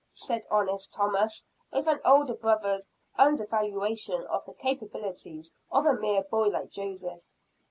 said honest Thomas, with an older brother's undervaluation of the capabilities of a mere boy like Joseph.